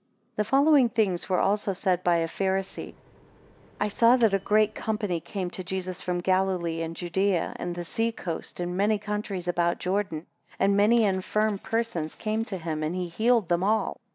32 The following things were also said by a Pharisee: I saw that a great company came to Jesus from Galilee and Judea, and the sea cost, and many countries about Jordan; and many infirm persons came to him, and he healed them all.